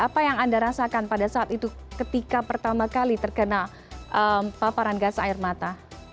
apa yang anda rasakan pada saat itu ketika pertama kali terkena paparan gas air mata